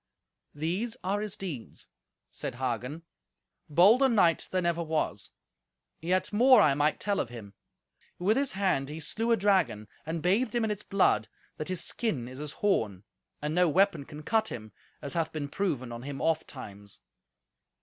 "These are his deeds," said Hagen; "bolder knight there never was. Yet more I might tell of him. With his hand he slew a dragon, and bathed him in its blood, that his skin is as horn, and no weapon can cut him, as hath been proven on him ofttimes."